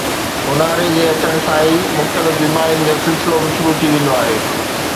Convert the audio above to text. اونهاري جي اچڻ سان ئي مختلف بيمارين جو سلسلو به شروع ٿي ويندو آهي